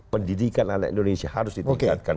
pendidikan anak indonesia harus ditingkatkan